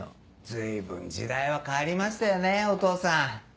随分時代は変わりましたよねぇお義父さん。